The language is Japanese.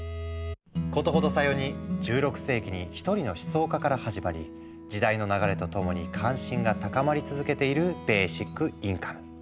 ことほどさように１６世紀に一人の思想家から始まり時代の流れとともに関心が高まり続けているベーシックインカム。